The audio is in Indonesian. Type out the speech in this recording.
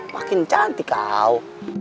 makin cantik kau